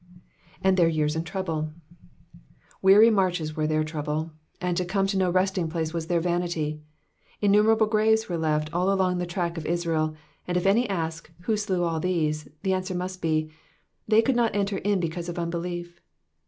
''''And their years in trouble.'*'' Weary marches were their trouble, and to come to no resting place was their vanity. Innu merable graves we left all along the track of Israel, and if any ask, *' Who slew all these ?" the answer must be, They could not enter in because of un belief."